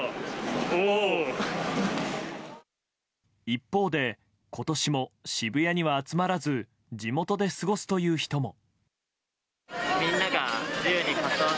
一方で今年も渋谷には集まらず地元で過ごすという人も。